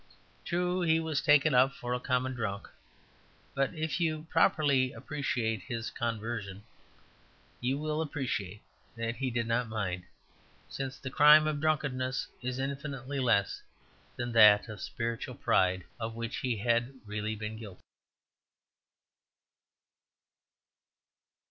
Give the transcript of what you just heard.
True, he was taken up for a common drunk, but (if you properly appreciate his conversion) you will realize that he did not mind; since the crime of drunkenness is infinitely less than that of spiritual pride, of which he had really been guilty.